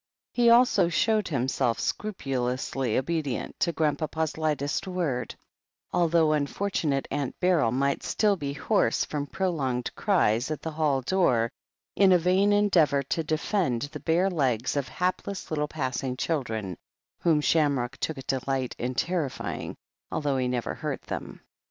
He als#i showed himself scrupulously obedient to Grandpapa's lightest word, although unfortunate Aunt Beryl might still be hoarse from prolonged cries at the hall door in a vain endeavour to defend the bare legs of hapless little passing children, whom Shamrock took a delight in terrifying, although he never hurt them.